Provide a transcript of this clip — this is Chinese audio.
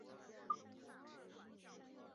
珀尔齐希是德国图林根州的一个市镇。